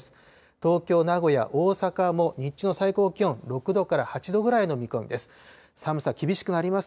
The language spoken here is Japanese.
東京、名古屋、大阪も日中の最高気温、６度から８度ぐらいの見込みです。